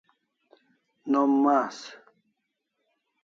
Nom mas